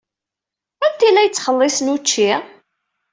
Anta ay la yettxelliṣen učči?